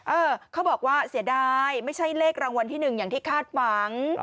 เออเขาบอกว่าเสียดายไม่ใช่เลขรางวัลที่หนึ่งอย่างที่คาดหวัง